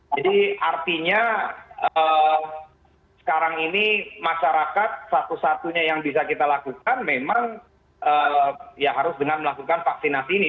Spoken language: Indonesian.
jadi artinya sekarang ini masyarakat satu satunya yang bisa kita lakukan memang ya harus dengan melakukan vaksinasi ini